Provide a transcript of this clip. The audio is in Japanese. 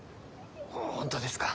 本当ですか？